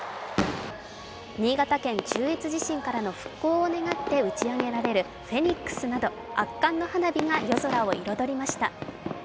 新潟県中越地震からの復興を願って打ち上げられるフェニックスなど、圧巻の花火が夜空を彩りました。